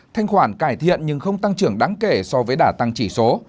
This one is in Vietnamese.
thanh khoản cải thiện nhưng không tăng trưởng đáng kể so với đả tăng chỉ số